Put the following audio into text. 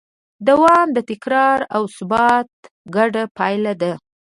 دوام د تکرار او ثبات ګډه پایله ده.